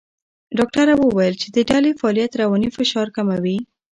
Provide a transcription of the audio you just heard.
ډاکټره وویل چې د ډلې فعالیت رواني فشار کموي.